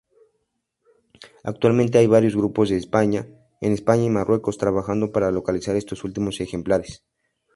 Actualmente hay varios grupos en España y Marruecos trabajando para localizar estos últimos ejemplares.